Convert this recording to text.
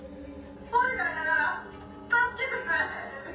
お願いだから助けてくれ！